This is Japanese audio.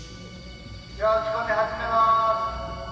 「じゃ仕込み始めまーす！」